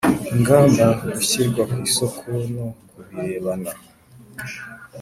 igomba gushyirwa ku isoko no ku birebana